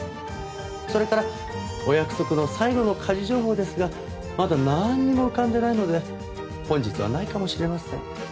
それからお約束の最後の家事情報ですがまだなんにも浮かんでないので本日はないかもしれません。